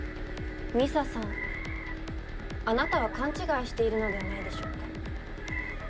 美沙さんあなたは勘違いしているのではないでしょうか？